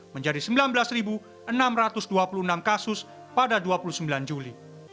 menjadi sembilan belas enam ratus dua puluh enam kasus pada dua puluh sembilan juli